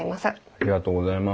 ありがとうございます。